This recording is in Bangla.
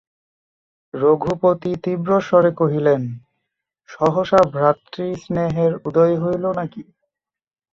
রঘুপতি তীব্রস্বরে কহিলেন, সহসা ভ্রাতৃস্নেহের উদয় হইল নাকি?